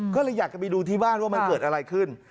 ก็เลยอยากจะไปดูที่บ้านว่ามันเกิดอะไรขึ้น